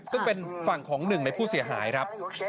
แต่ว่าตอนนี้เราขาลอยอยู่